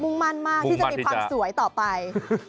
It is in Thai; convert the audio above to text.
่งมั่นมากที่จะมีความสวยต่อไป